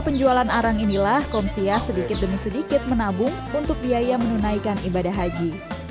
penjualan arang inilah komsiah sedikit demi sedikit menabung untuk biaya menunaikan ibadah haji